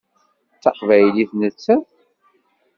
D taqbaylit nettat.